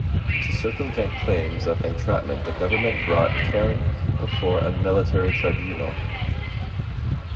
To circumvent claims of entrapment, the government brought Caron before a military tribunal.